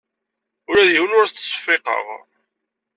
Ula d yiwen ur as-ttseffiqeɣ.